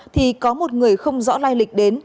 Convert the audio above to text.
thì có một người không rõ lai lịch đến